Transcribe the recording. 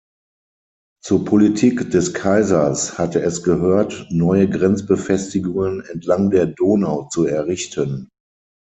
Zur Politik des Kaiser hatte es gehört, neue Grenzbefestigungen entlang der Donau zu errichten.